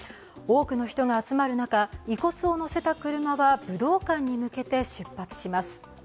多くの人が集まる中、遺骨を乗せた車は武道館に向けて出発します。